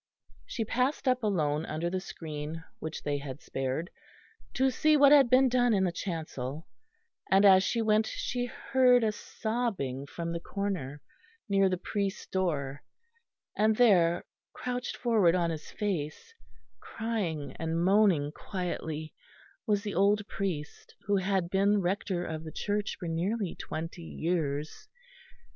She passed up alone under the screen, which they had spared, to see what had been done in the chancel; and as she went she heard a sobbing from the corner near the priest's door; and there, crouched forward on his face, crying and moaning quietly, was the old priest who had been rector of the church for nearly twenty years.